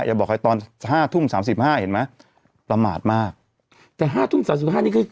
บอกให้ตอนห้าทุ่มสามสิบห้าเห็นไหมประมาทมากแต่ห้าทุ่มสามสิบห้านี่คือ